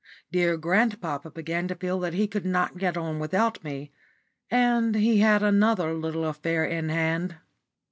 Dear grandpapa began to feel that he could not get on without me, and he had another little affair in hand.